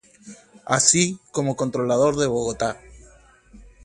Así como Contralor de Bogotá.